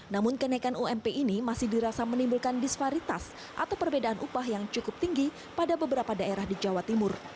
namun kenaikan ump ini masih dirasa menimbulkan disparitas atau perbedaan upah yang cukup tinggi pada beberapa daerah di jawa timur